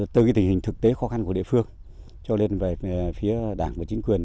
từ tình hình thực tế khó khăn của địa phương cho lên về phía đảng và chính quyền